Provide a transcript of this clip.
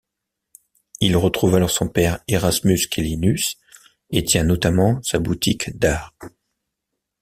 Il retrouve alors son père Erasmus Quellinus et tient notamment sa boutique d'art.